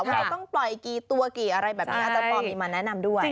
เราต้องปล่อยกี่ตัวกี่อะไรแบบนี้อาจารย์ปอลมีมาแนะนำด้วย